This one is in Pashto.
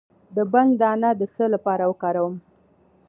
د بنګ دانه د څه لپاره وکاروم؟